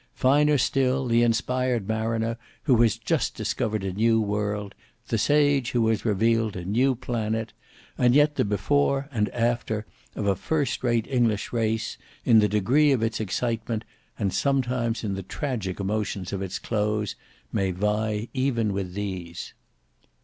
Finer still the inspired mariner who has just discovered a new world; the sage who has revealed a new planet; and yet the "Before" and "After" of a first rate English race, in the degree of its excitement, and sometimes in the tragic emotions of its close, may vie even with these.